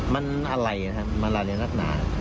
มันอะไรนะครับมันอะไรนักหนา